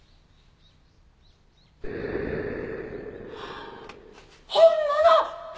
ああ本物！？